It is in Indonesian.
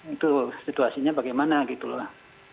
itu situasinya bagaimana gitu loh